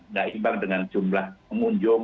nggak imbang dengan jumlah pengunjung